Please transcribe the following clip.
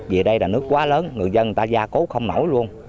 vì đây là nước quá lớn người dân ta ra cố không nổi luôn